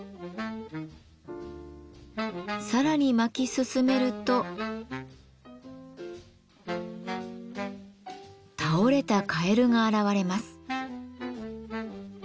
更に巻き進めると倒れたかえるが現れます。